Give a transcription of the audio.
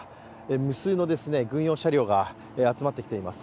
無数の軍用車両が集まってきています。